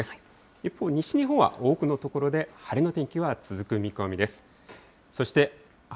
一方、西日本は多くの所で晴れの天気が続く見込みです。